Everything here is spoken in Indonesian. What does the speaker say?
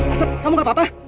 asep kamu gak apa apa